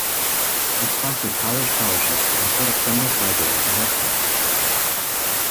It sponsored college scholarships and set up feminist libraries in high schools.